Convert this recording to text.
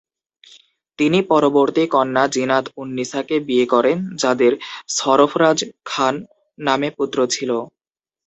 তিনি পরবর্তী কন্যা জিনাত উন-নিসাকে বিয়ে করেন যাদের সরফরাজ খান নামে পুত্র ছিল।